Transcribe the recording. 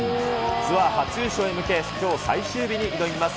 ツアー初優勝へ向け、きょう最終日に向かいます。